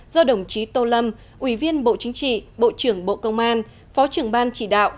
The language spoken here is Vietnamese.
do đồng chí tô lâm ủy viên bộ chính trị bộ trưởng bộ công an phó trưởng ban chỉ đạo